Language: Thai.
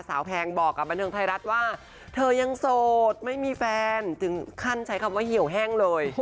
แพงบอกกับบันเทิงไทยรัฐว่าเธอยังโสดไม่มีแฟนถึงขั้นใช้คำว่าเหี่ยวแห้งเลย